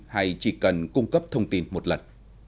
hay chỉ cần cung cấp thông tin một lần